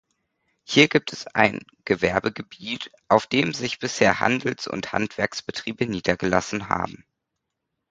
Hier gibt es ein Gewerbegebiet, auf dem sich bisher Handels- und Handwerksbetriebe niedergelassen haben.